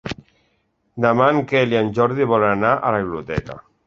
Demà en Quel i en Jordi volen anar a la biblioteca.